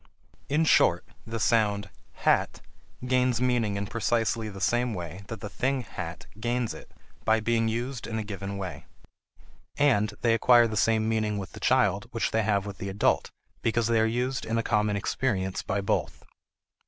In short, the sound h a t gains meaning in precisely the same way that the thing "hat" gains it, by being used in a given way. And they acquire the same meaning with the child which they have with the adult because they are used in a common experience by both.